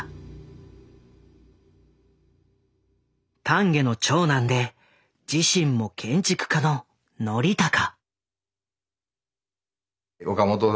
丹下の長男で自身も建築家の憲孝。